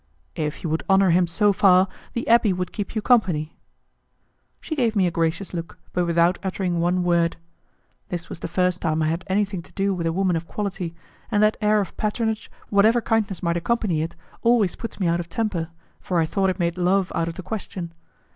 "If you would honour him so far, the abbé would keep you company." She gave me a gracious look, but without uttering one word. This was the first time I had anything to do with a woman of quality, and that air of patronage, whatever kindness might accompany it, always put me out of temper, for I thought it made love out of the question.